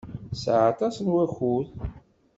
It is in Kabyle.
Tesɛa aṭas n wakud.